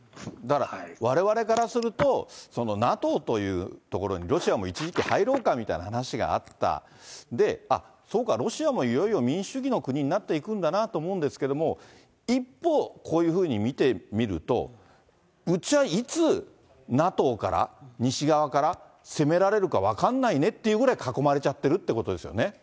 だからわれわれからすると、ＮＡＴＯというところにロシアも一時期入ろうかみたいな話があった、あっ、そうか、ロシアも民主主義の国になっていくんだなと思うんですけど、一方、こういうふうに見てみると、うちはいつＮＡＴＯから、西側から、攻められるか分からないねっていうくらい、囲まれちゃってるってことですよね。